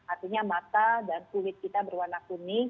artinya mata dan kulit kita berwarna kuning